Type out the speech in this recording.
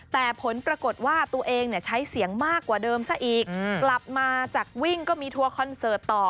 แต่ผลปรากฏว่าตัวเองใช้เสียงมากกว่าเดิมซะอีกกลับมาจากวิ่งก็มีทัวร์คอนเสิร์ตต่อ